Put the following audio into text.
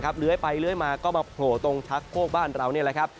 เลื้อยไปเลื้อยมาก็มาโผล่ตรงชักโค้กบ้านเรา